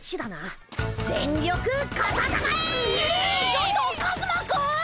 ちょっとカズマくん！